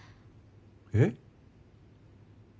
えっ？